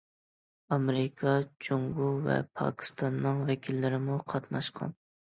ئامېرىكا، جۇڭگو ۋە پاكىستاننىڭ ۋەكىللىرىمۇ قاتناشقان.